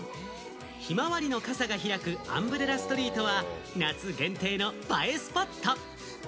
ひまわりの傘が開く、アンブレラストリートは夏限定の場合スポット。